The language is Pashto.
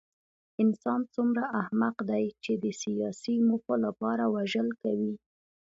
انسان څومره احمق دی چې د سیاسي موخو لپاره وژل کوي